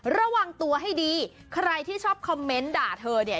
ระวังตัวให้ดีใครที่ชอบคอมเมนต์ด่าเธอเนี่ย